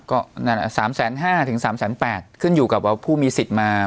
ก็สามแสนห้าถึงสามแสนแปดขึ้นอยู่กับว่าผู้มีสิทธิ์มา